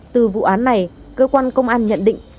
từ vụ án này cơ quan công an nhận định